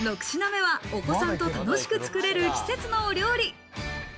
６品目は、お子さんと楽しく作れる季節のお料理。